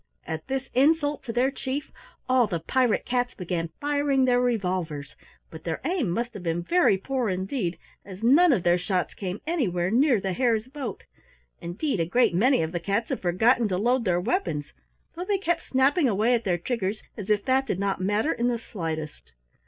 At this insult to their Chief all the pirate cats began firing their revolvers, but their aim must have been very poor indeed, as none of their shots came anywhere near the Hare's boat. Indeed, a great many of the cats had forgotten to load their weapons, though they kept snapping away at their triggers as if that did not matter in the slightest.